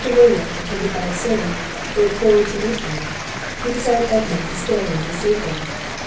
William, attended by a servant, rode forward to meet them; he desired Edmund to stay and receive them.